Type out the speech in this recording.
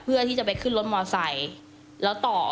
เพื่อที่จะไปขึ้นรถมอไซค์